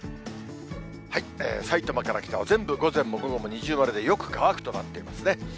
さいたまから北は全部午前も午後も二重丸で、よく乾くとなっていますね。